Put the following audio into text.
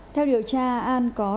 theo điều tra an có đeo đồ đầy